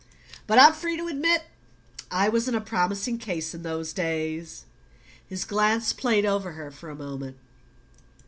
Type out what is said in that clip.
But I'm free to admit I wasn't a promising case in those days." His glance played over her for a moment.